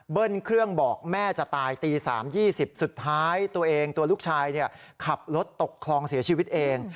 เครื่องบอกแม่จะตายตี๓๒๐สุดท้ายตัวเองตัวลูกชายขับรถตกคลองเสียชีวิตเอง